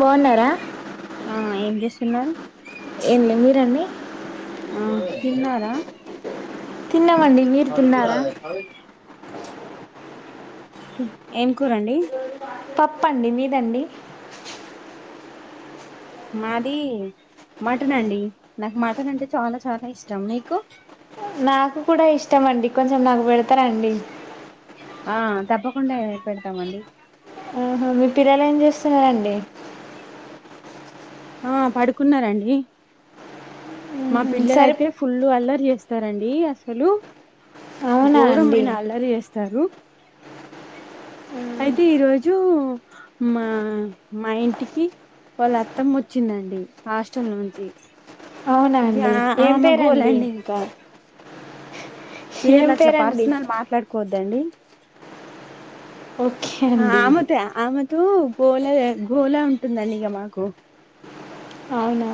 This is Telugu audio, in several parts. బాగున్నారా ఆ ఏం చేస్తున్నారు ఏం లే మీరండి తిన్నార తిన్నామండి మీరు తిన్నారా ఏం కూరండి పప్పండి మీదండి మాది మటన్ అండి నాకు మటన్ అంటే చాలా చాలా ఇష్టం నీకు నాకు కూడా ఇష్టం అండి కొంచెం నాకు పెడతారండి ఆ తప్పకుండా ఏ పెడతామండి ఉ హు మీ పిల్లలు ఏం చేస్తున్న రండి ఆ పడుకున్నారండి మా ఉహు, పిల్లల సరే అయితే ఫుల్లు అల్లరి చేస్తా చేస్తారండి అసలు అవునా అండి ఘోరంమైన అల్లరి చేస్తారు అయితే ఈరోజు మా మాఇంటికి వాళ్ళ అత్తమ్మ వచ్చిందండి హాస్టల్ నుండి అవునా అండి ఏం పెరండి ఇంకా పేర్లు అట్లా పర్సనల్ మాట్లాడుకోదు దడి ఓకే ఆ అండి ఆమెతే ఆమె టు గోలా గోలా ఉంటుందండి ఇగ మాకు అవునా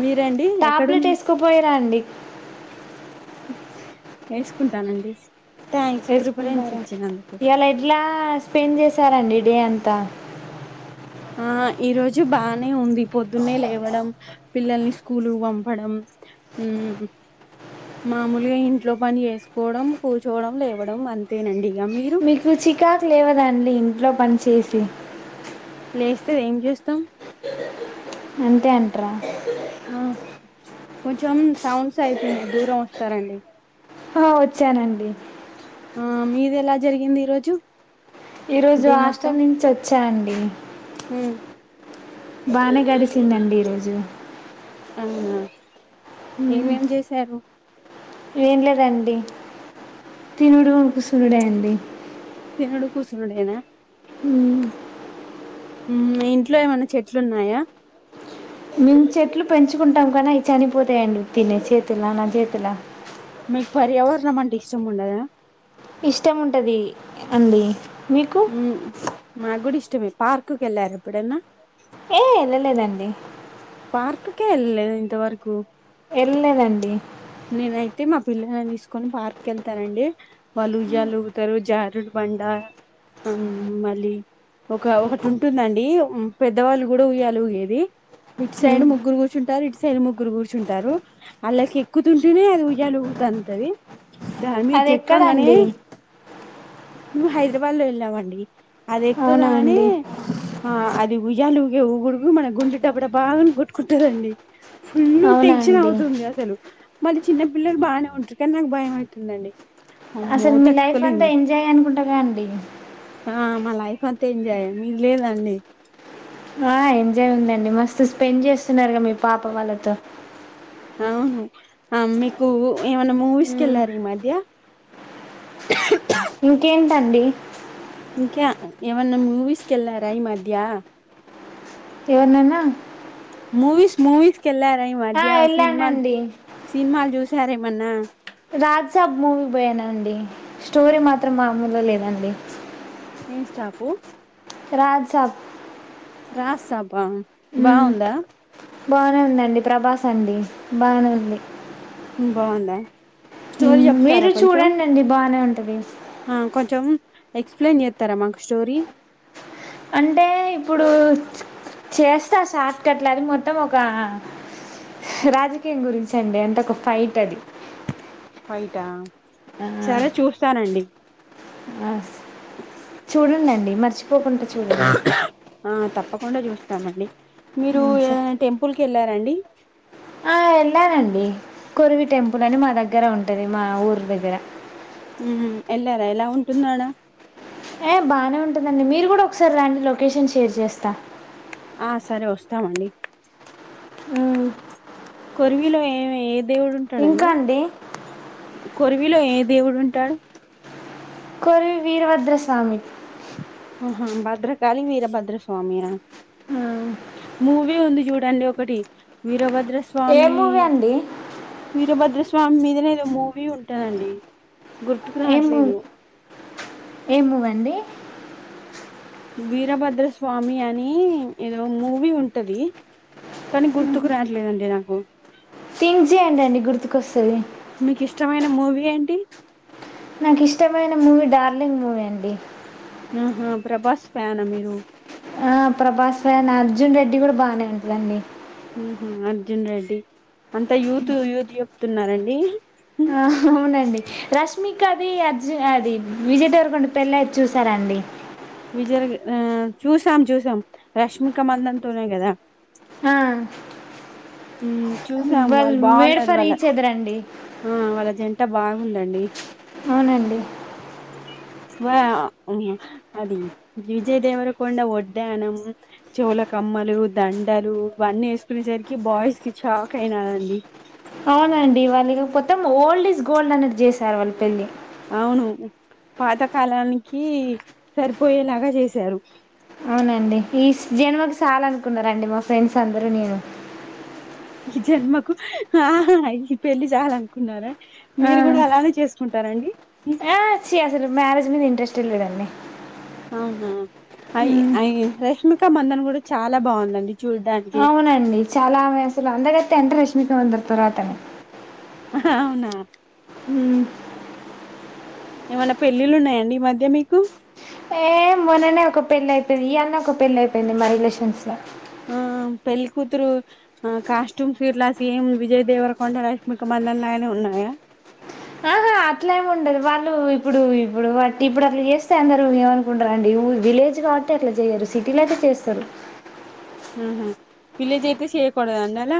మీరండి ఎక్కడు టాబ్లెట్ వేసుకుపోయిరా అండి వేసుకుంటానండి థ్యాంక్స్ ప్రిఫరెన్స్ వేసుకున్నారా ఇచ్చినందుకు ఇయల ఏడ్లస్ట్ స్పెండ్ చేశారండి డే అంతా ఆ ఈరోజు బానే ఉంది పొద్దున్నే లేవడం పిల్లల్ని స్కూలుకు పంపడం మామూలుగా ఇంట్లో పని చేసుకోవడం కూర్చోవడం లేవడం అంతేనండి ఇక మీరు మీకు చికాకు లేవదాండి ఇంట్లో పని చేసి లేస్తది ఏం చేస్తాం అంతే అంట్రా ఆ కొంచెం సౌండ్స్ అయితుంది దూరం వస్తరాండి ఆ వచ్చానండి ఆ మీది ఎలా జరిగింది ఈరోజు ఈ రోజు హాస్టల్ నుంచి ఓచ్ చ్చనండి హు బానే గడిచిందండి ఈరోజు అవునా ఏమేం చేశారు ఏం లేదండి తినుడు కుసునుడే అండి తినుడు కూసునుడేనా మ్మ్. ఇంట్లో ఏమైన చెట్లున్నాయా మేము చెట్లు పెంచుకుంటాం కనీ అవి చనిపోతాయండి ఉత్తినే చేతుల నా చేతుల మిక్ పర్యావరణం అంటే ఇష్టం ఉండదా ఇష్టం ఉంటది అండి మీకు హు మగుడిష్ ష్టం పార్కుకి ఎల్లారా ఎప్పుడన్న ఏ ఏళ్లలేదండి పార్క్ కే ఏళ్లలేదా ఇంతవరకు వెళ్ళలేదండి నేనైతే మా పిల్లని తీసుకొని పార్క్ వెళ్తానండి వాళ్ళు ఉయ్యాల ఊగుతారు జారుడు బండ మళ్ళీ ఒక ఒకటి ఉంటుందండి పెద్దవాళ్ళు కూడా ఉయ్యాల ఊగేది ఇటు సైడ్ మ్మ్. ముగ్గురు కూర్చుంటారు ఇటు సైడ్ ముగ్గురు కూర్చుంటారు ఆళ్ళకి కుతుంటేనే అది ఉయ్యాల ఊగుతంటది దాని అది మీదకేక్కంగనే ఎక్కడండి మేం హైదరాబాద్ లో వెళ్ళామండి అది అవునా ఎక్కగానే అండి ఆ అది ఉయ్యాల ఊగేఉడుగుకి మన గుండె డబడబా అని కొట్టుకుంటదండి ఫుల్ అవునా టెన్షన్ అండి అవుతుంది అసలు మళ్ళ చిన్నపిల్లలు బానే ఉంటరు కానీ నాకు భయం అయితుందండి అసలు మీ లైఫ్ అంతా ఎంజాయ్ అనుకుంటాగా అండి ఆ మా లైఫ్ అంతా ఎంజాయ్ ఏ మీది లేద అండి ఆ ఎంజాయ్ ఉందండి మస్తు స్పెండ్ చేస్ స్తున్నారుగా మీ పాప వాళ్ళతో అవును ఆ మీకు ఏమన్నా మూవీస్కిె వెళ్లార ఈ మధ్య ఇంకేంటండి ఇంకా ఏమన్న మూవీస్కెళ్లార ఈ మధ్య ఏవర్నన్నా మూవీస్ మూవీస్ కెల్ ఈమధ్య సినిమా వెళ్ళానండి సినిమలో చుస్ సరేమన్నా రాజ్ సబ్ మూవీ కి పోయినండి స్టోరీ మాత్రం మామూలుగ లేదండి ఎం స్టాపు రాజ్ సబ్ రాజ్ సబ్ ఆ బాగుందా బాగనే ఉందండి ప్రభాస్ అండి బాగనే ఉంది బాగుందా హు స్టోరీ చెప్తారా మీరు కొంచెం చూడండండి బాగనే ఉం ది ఆ కొంచెం ఎక్స్ప్లెయిన్ చేత్తర మాకు స్టోరీ అంటే ఇప్పుడు చేస్తే ఆ షార్ట్కట్లు అది మొత్తం ఒక రాజకీయం గురించి అండి అంటే ఒక ఫైట్ అది ఫైట్ ఆ ఆ సరే చూ స్తానండి ఆ చూడండండి మర్చి ప్పకుండా చూడండి ఆ తప్పకుండా చూస్తామండి మీరు ఉమ్ సరే ఏదన్న టెంపుల్ కేళ్ళార రండి ఆ వెళ్ళానండి కొరివి టెంపుల్ అని మా దగ్గర ఉంటది మా ఊరు దగ్గర హు ఎల్లార ఎలా ఉంటంది అడా ఏ బాగానే ఉంటుందండి మీరు కూడా ఒకసారి రండి లొకేషన్ షేర్ చేస్తా ఆ సరే ఓస్తామండి ఉమ్ కొరివిలో ఏమీ ఏ దేవుడుం ఇంకా అండి కొరివిలో ఏ దేవుడు ఉంటాడు కొరివి వీరభద్రస్వామి ఆ హా భద్రకాళి వీరభద్రస్వామి అ ఉమ్ మూవీ ఉంది చూడండి ఒకటి వీరభద్ ద్ర ఏ స్వామి మూవీ అండి వీరభద్ర స్వామి మీదనే ఏదో మూవీ ఉంటాదండి ఏం మూవ్ ఏం మూవ్ అండి వీరభద్ర స్వామి అని ఏదో మూవీ ఉంటది కాని గుర్తుకు రాట్లేదండి నాకు థింక్ చేయండి అండి గుర్తుకొస్తుంది మీకు ఇష్టమైన మూవీ ఏంటి నాకు ఇష్టమైన మూవీ డార్లింగ్ మూవీ అండి ఆహ ప్రభాస్ ఫ్యాన్ ఆ మీరు ఆ ప్రభాస్ రాన్ అర్జున్ రెడ్డి కూడా బాగానే ఉంటుందండి ఉహు అర్జున్ రెడ్డి అంతా యూత్ యూత్ చెప్తున్నారండి ఇంకా అది అజ్ అది విజయ్ దేవరకొండ పెళ్ళి అయ్యి చూసారండి విజయ రాకు ఆ చూసాం చూసాం రష్మిక మందన తోనే గదా ఆ ఉ చూసాము వాళ్ళు బాగు మేడ్ ఉన్నరు ఫర్ వాళ్ళ ఈచ్ అదర్ అండి ఆ వాళ్ళ జన్ అంత బాగుందండి అవునండి వా అది విజయ దేవరకొండ ఒడ్డానం చోలకమ్మలు దండలు ఇవన్నీ వేసుకునేసరికి బాయ్స్ కి షాక్ అయిన నండి అవునండి వాళ్ళు ఇగ కొత్తం ఓల్డ్ ఇజ్ గోల్డ్ అనేది చేశారు వాళ్ళ పెళ్ళి అవును పాతకాలానికి సరిపోయేలాగా చేశారు అవునండి ఈ జనుమకు సాలు అనుకున్నరండి మా ఫ్రెండ్స్ అందరూ నేను ఈ జన్మకు ఆ ఈ పెళ్ళి చాలు అనుకున్నారా ఆ మీరు కూడా అలానే చేసుకుంటారండి ఆ చి అసలు మ్యారేజ్ మీద ఇంట్రెస్ టిల్లే డన్ని అవుహా అయి అయి రేష్మి ఇంకా మందన్ గుడా చాలా బాగుందండి చూడ్డానికి అవునండి చాలా ఆమె అసలు అందగత్ టెన్త్ రష్మిక అందరి తర్వాత అతను ఆహా అవునా హు ఏవన్నా పెళ్లిళ్లు ఉన్నాయండి ఈ మధ్య మీకు ఏ మొన్న నే ఒక పెళ్ళి అయిపోయింది ఈ అన్నా ఒక పెళ్లి అయిపోయింది మా రిలేషన్స్ ల ఆ పెళ్లికూతురు ఆ కాస్ట్యూమ్స్ ఇట్ల సేమ్ విజయ్ దేవర కొండ రష్మిక మందన లనే ఉన్నాయా అట్లా ఏమి ఉండదు వాళ్ళు ఇప్పుడు ఇప్పుడు వాటి ఇప్పుడు అట్లా చేస్తే అందరు ఏమనుకుంటారు అండి విలేజ్ కాబట్టి అట్లా చేయరు సిటీలో అయితే చేస్తారు ఉహు విలేజ్ అయితే చేయకూడదు అండి అలా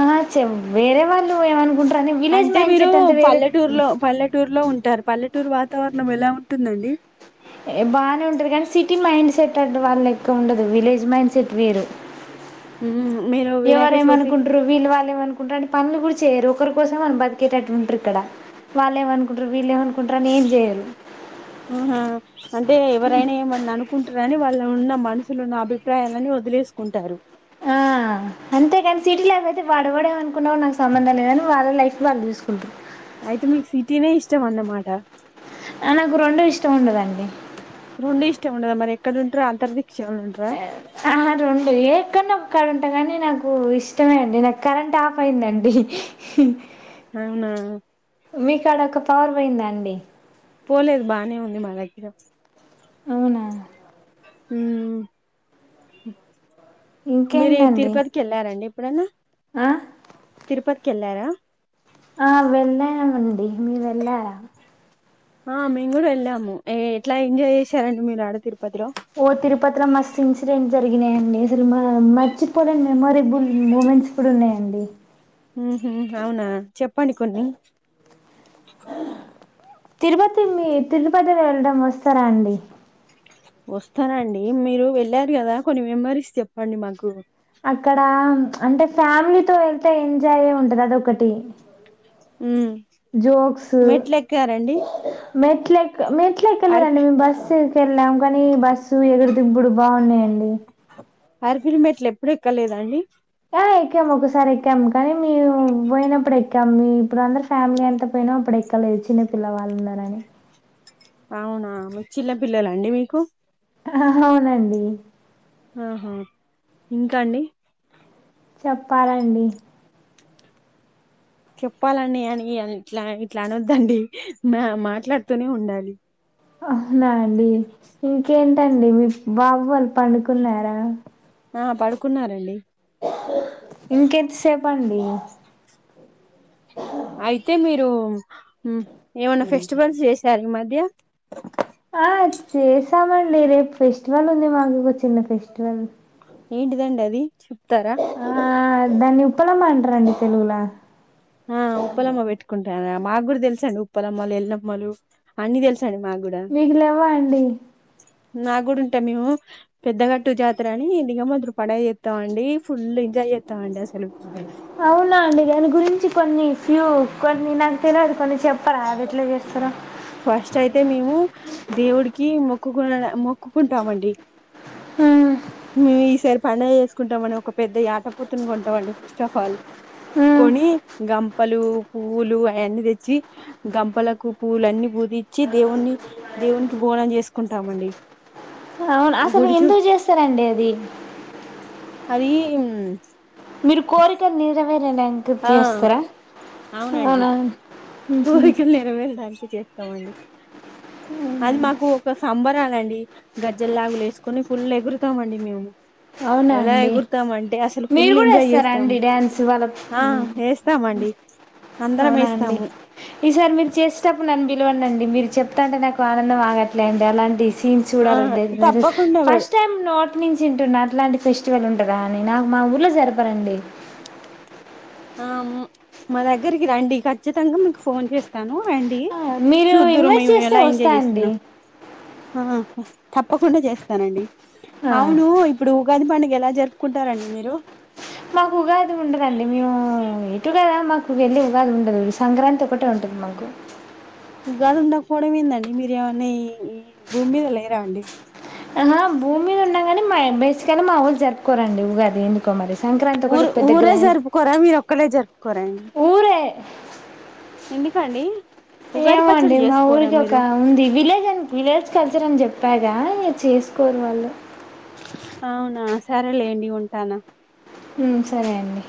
ఆహా చెం వేరే వాళ్ళు ఏమనుకుంటారు అంటే మీరు పల్లెటూరులో పల్లెటూరులో ఉం టారు పల్లెటూరు వాతావరణం ఎలా ఉంటుందండి ఎ బానే ఉంటది గనీ సిటీ మైండ్ సెట్ అండి వాళ్ళాయి ఎక్కువ ఉండదు విలేజ్ మైండ్ సెట్ వేరు ఉ మీరు వినాయక చవితి ఏమనుకుంట్రంటే పనులు కూడా చేయరు ఒకరు కోసం మనం బతికేటట్టు ఉంట్రూ ఇక్కడ వాళ్ళేమనుకుంట్రు వీళ్లేమను కుంట్రని ఏం చేయరు ఆహా అంటే ఎవరైనా ఏమన్న అనుకుంటారని వాళ్ళు ఉన్న మనసులోన్న అభిప్రాయాలని వదిలేసుకుంటారు ఆ అంతేకాని సిటీ లైఫ్ అయితే వాడ్ ఎవడేమ అనుకున్నా నాకు సంబంధం లేదని వాళ్ళ లైఫ్ వాళ్ళు చూసుకుంటారు అయితే మీక్ సిటీనే ఇష్టం అన్నమాట నాకు రెండు ఇష్టం ఉండదండి రెండు ఇష్టం ఉండదా మరి ఎక్కడ ఉంటరా అంతర్ది ఆహా రాబోయే క్కని నాక్ కరెంట్ కానీ నాకు ఇష్టమే అండి నాకు కరెంట్ ఆఫ్ అయిందండి అవున మీ కాడ ఒక పవర్ పోయిందా అండి పోలేదు బానే ఉంది మా దగ్గర అవునా హుమ్ మీరి తిరుపతికి వెళ్ళారండి అప్పుడెనా అ తిర్పతికి వెళ్ళారా ఆ వెళ్ళమండి మీర్ వెళ్ళార ఆ మేము కూడా వెళ్ళాము ఎట్లా ఎంజాయ్ చేసారండి మీరు ఆడ తిరు ఓ తిరుపతిల మస్ ఇన్సిడెంట్ జరిగినయ అండి అసలు మా మర్చిపోలేని మెమోరేబుల్ మూమెంట్స్ కుడా ఉన్నాయండి ఊహు అవునా చెప్పండి కొన్ని తిరుపతి మీ తిరుపదిలో వెళ్ళడం వస్తరా అండి వస్తానండి మీరు వెళ్ళారు కదా కొన్ని మెమరీస్ చెప్పండి మాకు అక్కడ అంటే ఫ్యామిలీతో వెళ్తే ఎంజాయ్ ఉంటది అదొకటి ఉమ్ జోక్స్ మెట్లు ఎక్కారండి మె ట్లె మేట్లె అరిపి ఎక్కలేదండి మేము బస్సు కెళ్ళాం కానీ బస్సు ఎగురిదిప్పుడు బాగున్నాయండి యప్పుడు ఎక్కలేదాండి ఆయ్ ఎక్కాము ఒకసారి ఎక్కాము కానీ మీరు పోయినప్పుడు ఎక్కాం మీ ఇప్పుడు అందరు ఫ్యామిలీ అంతా పోయినా అప్పుడు ఎక్కలేదు చిన్నపిిల్లవాళ్ళందరు అని అవున చిన్న పిల్లలండి మీకు ఆహ అవునండి ఆహా ఇంక అండి చెప్పాలండి చెప్పాలండి అని ఇట్ల ఇట్ల అనొద్దండి మా మాట్లాడుతూనే ఉండాలి ఆ హ్న ఇంకేంటండి మీ బాబు వాళ్ళు పడుకున్నారా ఆ పడుకున్నారండి ఇంకెంత్సేపండి అయితే మీరు ఏమైన ఫెస్టివల్స్ చేశార ఈ మధ్య ఏ ఆ చేసామండి రేపు ఫెస్టివల్ ఉంది మాకు ఒక చిన్న ఫెస్టివల్ ఏంటిదండి అది తారా ఆ దాన్ని ఇప్పులా మా అంటారండి తెలుగులా ఆ ఉపలమ్మ పెట్టుకుంట మాకుగురు తెలుసండి ఉప్పలమ్మలు ఎల్లమ్మలు అన్నిీ తెలుసు మీకులెవ్వ అండి నాకు కూడా ఉంటే మేము పెద్దగట్టు జాతర అని ఇకా మొదరు పడ చేస్తాం అండి ఫుల్ ఎంజాయ్ చేస్తాం అండి అసలు అవునా అండి దాని గురించి కొన్ని ఫ్యూ కొన్ని నాకు తెలవదు కొన్ని చెప్పరాదు ఎట్లా చేస్తారో ఫస్ట్ అయితే మేము దేవుడికి మొక్కుకు మొక్కుకుంటామండి హ మేము ఈసారి పడుగ చేసుకుంటాం అండి ఒక పెద్ద యాట పోతుని కొంటామండి ఫస్ట్ ఆఫ్ ఆల్ ఉమ్, కొని గంపలు పూవ్వులు అయ న్నీ తెచ్చి గంపలకు పూలు అన్ని పూదిచ్చి దేవున్ కి దేవునికి బోనం చేసుకుంటామఅండి అసలు ఎందుకు చేస్తారండి అది అధీ ఉమ్ నన్ నంకృర్తి ఆ చేస్తారా అవునా ఉహుం. కోరిక నెరవేరేదానికి చేస్తామండి అది మాకు ఒక సంబరాాలండి గజ్జల్ లాగులు వేసుకొని ఫుల్ ఎగురుతాం అండి మేము అవునా ఎలా అండి ఎగురుతాం అంటే అసలు ఫుల్ మీరు కూడా ఎంజాయ్ చేస్తాము ఇస్తారాండి డ్యాన్స్ వాళ్ళ ఆ ఉమ్ వేస్తామండి అందరం అవునా అండి వేస్తాము ఈసారి మీరు చేసేటప్పుడు నన్ను పిలువ అండి మీరు చెప్తా అంటే నాకు ఆనందం ఆగట్లేండి అలాంటి సీన్ ఆ చూడాల [inaudible] తప్పకుండా పె ఫస్ట్ టైమ్ నోట్ నుంచి వింటున్నాను అట్లాంటి ఫెస్టివల్ ఉంటుందా అని నాకు మా ఊర్లో జరపరండి ఆ ఉమ్ మా దగ్గరికి రండి ఖచ్చితంగా మీకు ఫోన్ చేస్తాను రండి ఆ మీరు చూద్దురు ఇన్వైట్ మేము చేస్తే ఎలా ఎంజాయ్ వస్తాండి చేస్తున్నాం ఆ తప్పకుండా చేస్తానండి అవును ఇప్పుడు ఉగాది పని ఎలా జరుపుకుంటారండి మీరు మాకుఉగాది ఉండదండి మేము ఎటు కదా మాకు వెళ్ళి ఉగాది ఉండదు సంక్రాంతి ఒకటే ఉంటుంది మాకు ఉగాదు ఉండకపోవడమెందన్డి మీరు ఏమన్నా ఈ భూమి మీద లేరా అండి ఆహా భూమి మీద ఉన్నాగాని మా బేసిగానే మా ఊలో జరుపుకోరండి ఉగాది ఎందుకో మరి సంక్రాంతి ఒకటి ఊరు పెద్ద ఊరే గ్రాండ్ జరుపుకోరా మీరు ఒక్కలే జరుపుకోరా అండి ఊరే ఎందుకండి ఉగాది ఏమోండీ పచ్చడి మా చేసుకోరా ఊరికి ఒక మీరు ఉంది విలేజ్ అన్ విలేజ్ కల్చర్ అని చెప్పాగా ఇ చేసుకోరు వాళ్ళు అవునా సరేలేండి ఉంటాను ఉమ్ సరే అండి